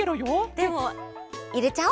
でもいれちゃおう。